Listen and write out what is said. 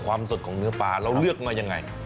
ความสดของเนื้อปลาเราเลือกมายังไง